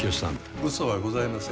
うそはございません。